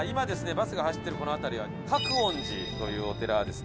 バスが走ってるこの辺りは覚園寺というお寺はですね